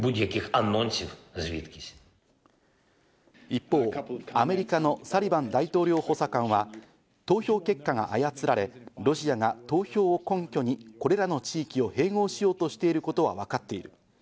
一方、アメリカのサリバン大統領補佐官は投票結果が操られ、ロシアが投票を根拠にこれらの地域を併合しようとしていることはわかっている。